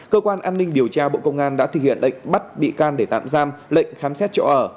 cơ quan an ninh điều tra bộ công an đã thực hiện lệnh bắt bị can để tạm giam lệnh khám xét chỗ ở